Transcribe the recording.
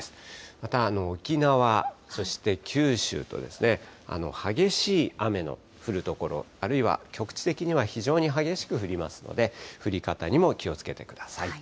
また沖縄、そして九州と、激しい雨の降る所、あるいは局地的には非常に激しく降りますので、降り方にも気をつけてください。